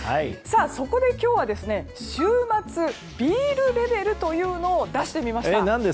そこで今日は週末ビールレベルというのを出してみました。